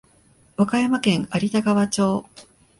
和歌山県有田川町